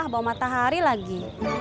bawa matahari lagi